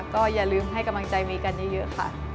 ก็อย่าลืมให้กำลังใจมีกันเยอะค่ะ